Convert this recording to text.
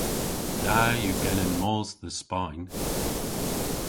Da yw genen mos dhe Spayn.